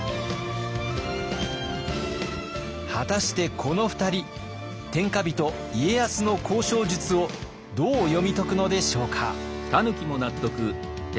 果たしてこの２人天下人家康の交渉術をどう読み解くのでしょうか？